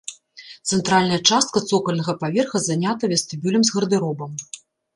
Цэнтральная частка цокальнага паверха занята вестыбюлем з гардэробам.